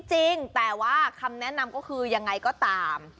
จริงแต่ว่าคำแนะนำก็คือยังไงก็ตาม